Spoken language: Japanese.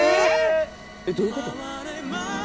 えっどういう事？